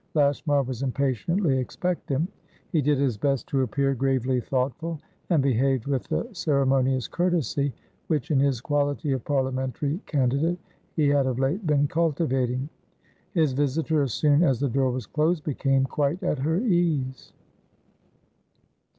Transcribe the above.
Lashmar was impatiently expectant; he did his best to appear gravely thoughtful, and behaved with the ceremonious courtesy which, in his quality of parliamentary candidate, he had of late been cultivating. His visitor, as soon as the door was closed, became quite at her ease.